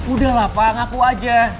udah lah pak ngaku aja